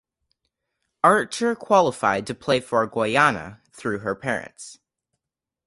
Archer qualified to play for Guyana through her parents.